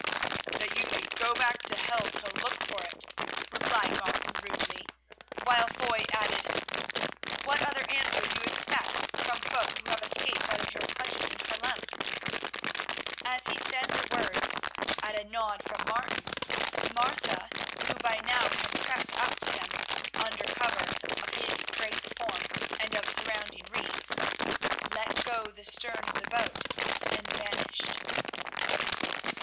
"That you may go back to hell to look for it," replied Martin rudely, while Foy added: "What other answer do you expect from folk who have escaped out of your clutches in Haarlem?" As he said the words, at a nod from Martin, Martha, who by now had crept up to them, under cover of his great form and of surrounding reeds, let go the stern of the boat and vanished.